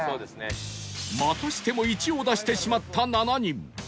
またしても「１」を出してしまった７人